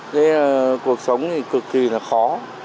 thế cuộc sống thì cực kỳ là khó